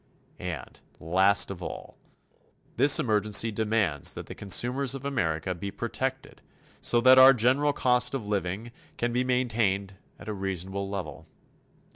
And, last of all, this emergency demands that the consumers of America be protected so that our general cost of living can be maintained at a reasonable level.